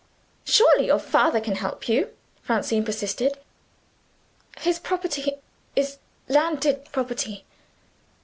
"Surely your father can help you?" Francine persisted. "His property is landed property."